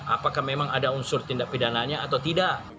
apakah memang ada unsur tindak pidananya atau tidak